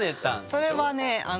それはね